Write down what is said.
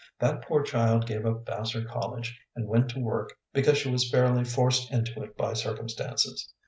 That poor child gave up Vassar College and went to work because she was fairly forced into it by circumstances.